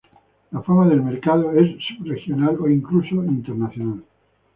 La fama del mercado es sub-regional o incluso internacional.